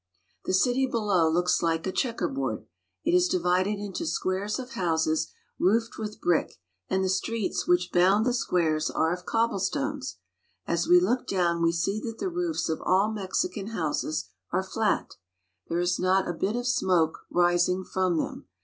The city below looks like a checkerboard. It is divided into squares of houses roofed with brick, and the streets which bound the squares are of cobblestones. As we look down, we see that the roofs of all Mexican houses are flat. There is not a bit of smoke rising from them.